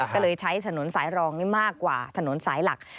ก็เลยใช้ถนนสายรองนี่มากกว่าถนนสายหลัก